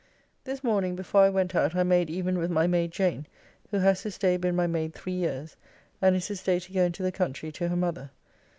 This morning before I went out I made even with my maid Jane, who has this day been my maid three years, and is this day to go into the country to her mother.